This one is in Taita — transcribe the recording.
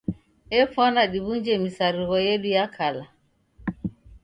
Efwana diw'unje misarigho yedu ya kala.